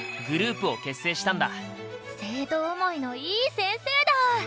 生徒思いのいい先生だ。